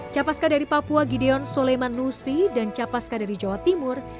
capaska dari papua gideon soleman nusi dan capaska dari jawa timur